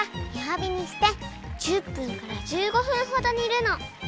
わびにして１０ぷんから１５ふんほど煮るの。